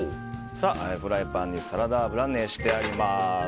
フライパンにサラダ油が熱してあります。